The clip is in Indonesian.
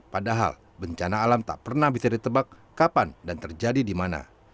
padahal bencana alam tak pernah bisa ditebak kapan dan terjadi di mana